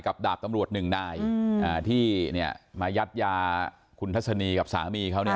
กับดาบตำรวจ๑นายที่เนี่ยมายัดยาคุณทศนีย์กับสามีเขาเนี่ย